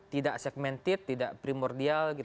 tidak segmented tidak primordial